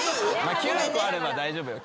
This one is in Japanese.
・９個あれば大丈夫。